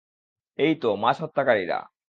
এইতো, মাছ হত্যাকারীরা!